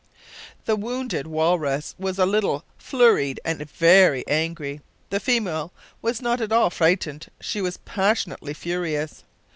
The wounded walrus was a little flurried and very angry; the female was not at all frightened, she was passionately furious!